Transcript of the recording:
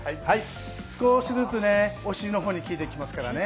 少しずつねお尻の方に効いていきますからね。